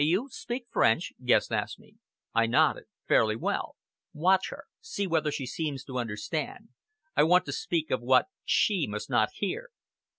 "You speak French?" Guest asked me. I nodded. "Fairly well!" "Watch her! See whether she seems to understand. I want to speak of what she must not hear."